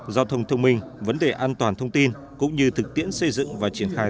giao thông thông minh vấn đề an toàn thông tin cũng như thực tiễn xây dựng và triển khai